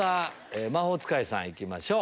魔法使いさん行きましょう。